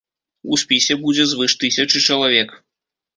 У спісе будзе звыш тысячы чалавек.